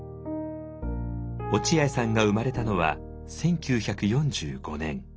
落合さんが生まれたのは１９４５年。